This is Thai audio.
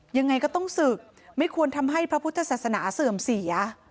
ยังไงก็ต้องศึกไม่ควรทำให้พระพุทธศาสนาเสื่อมเสีย